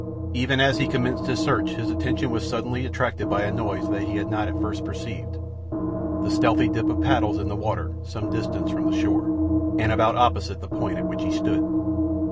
Even as he commenced his search his attention was suddenly attracted by a noise that he had not at first perceived—the stealthy dip of paddles in the water some distance from the shore, and about opposite the point at which he stood.